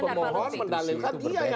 pemohon mendalilkan dia yang harus membuktikan